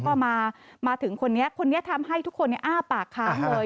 ก็มาถึงคนนี้คนนี้ทำให้ทุกคนอ้าปากค้างเลย